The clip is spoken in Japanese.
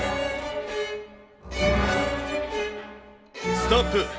ストップ。